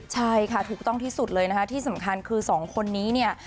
ใช่ค่ะถูกต้องที่สุดเลยนะคะที่สำคัญคือสองคนนี้เนี่ย